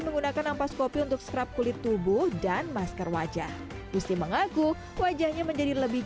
menggunakan ampas kopi untuk skrap kulit tubuh dan masker wajah gusti mengaku wajahnya menjadi lebih